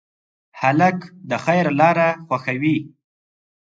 هلک د خیر لاره خوښوي.